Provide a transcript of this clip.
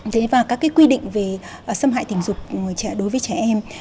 thế và các cái quy định về xâm hại tình dục đối với trẻ em